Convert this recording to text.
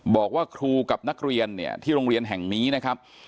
บอกว่าครูกับนักเรียนเนี่ยที่โรงเรียนแห่งนี้นะครับ